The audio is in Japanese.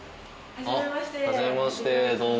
はじめましてどうも。